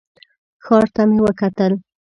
ښار ته مې وکتل.